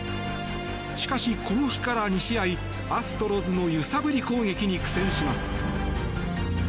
しかし、この日から２試合アストロズの揺さぶり攻撃に苦戦します。